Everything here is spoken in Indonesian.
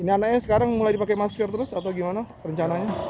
ini anaknya sekarang mulai dipakai masker terus atau gimana rencananya